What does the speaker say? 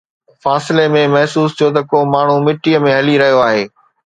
فاصلي ۾ محسوس ٿيو ته ڪو ماڻهو مٽيءَ ۾ هلي رهيو آهي.